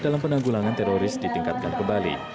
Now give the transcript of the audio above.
dalam penanggulangan teroris ditingkatkan kembali